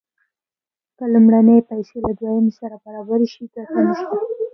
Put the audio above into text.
که لومړنۍ پیسې له دویمې سره برابرې شي ګټه نشته